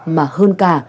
mà hơn cả